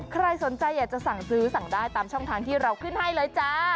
ใครสนใจอยากจะสั่งซื้อสั่งได้ตามช่องทางที่เราขึ้นให้เลยจ้า